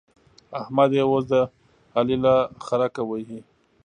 احمد يې اوس د علي له خرکه وهي.